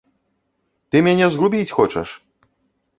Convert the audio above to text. Ты мяне згубіць хочаш!